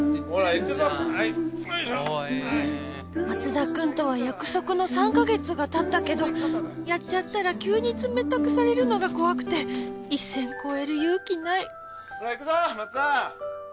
松田くんとは約束の３か月がたったけどやっちゃったら急に冷たくされるのが怖くて一線越える勇気ないほら行くぞ松田。